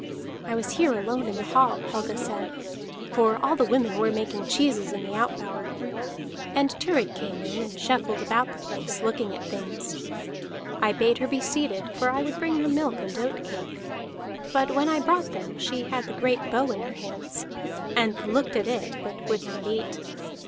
"I was here alone in the hall," Helga said, "for all the women were making cheeses in the out bower. And Thurid came in and shuffled about the place, looking at things. I bade her be seated, for I would bring her milk and oat cake; but when I brought them she had the great bow in her hands, and looked at it but would not eat.